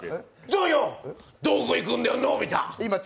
どこ行くんだよ、のび太。